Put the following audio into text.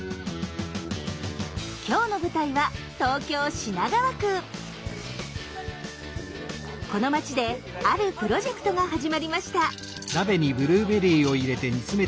今日の舞台はこの町であるプロジェクトが始まりました。